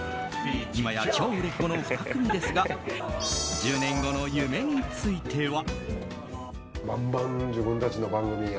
今や超売れっ子の２組ですが１０年後の夢については。